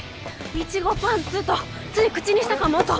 いちごパンツとつい口にしたかもと